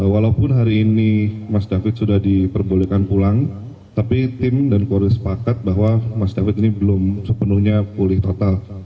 walaupun hari ini mas david sudah diperbolehkan pulang tapi tim dan polri sepakat bahwa mas david ini belum sepenuhnya pulih total